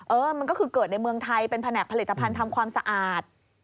เออมันก็คือเกิดในเมืองไทยเป็นแผนกผลิตภัณฑ์ทำความสะอาด